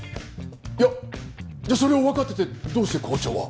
いやじゃあそれをわかっててどうして校長は？